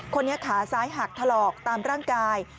คนนี้ขาซ้ายหักถลอกตามร่างกาย